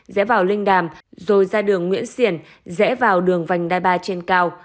rẽ vào linh đàm rồi ra đường nguyễn xiển rẽ vào đường vành đai ba trên cao